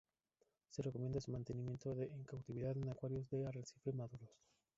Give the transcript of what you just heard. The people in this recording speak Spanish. Se recomienda su mantenimiento en cautividad en acuarios de arrecife maduros.